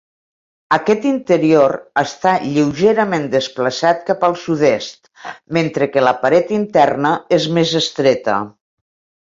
Aquest interior està lleugerament desplaçat cap als sud-est, mentre que la paret interna és més estreta.